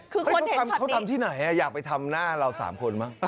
เขาทำที่ไหนอยากไปทำหน้าเรา๓คนมั้ง